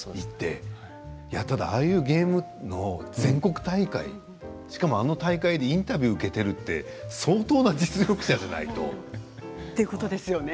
ただああいうゲームの全国大会しかもあの大会でインタビューを受けているって相当な実力者じゃないと。